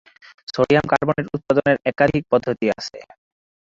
Sodium carbonate উৎপাদনের একাধিক পদ্ধতি আছে।